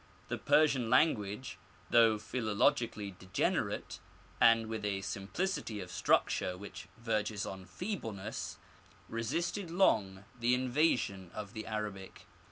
The Persian language, though phiiologically degenerate, and with a simplicity of struc ture which verges on feebleness, resisted long the invasion of the Arabic.